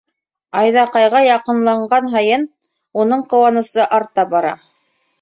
Айҙаҡайға яҡынлаған һайын уның ҡыуанысы арта бара.